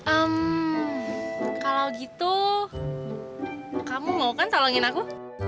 ehm kalau gitu kamu mau kan tolongin aku